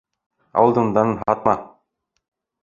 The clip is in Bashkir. — Ауылдың данын һатма!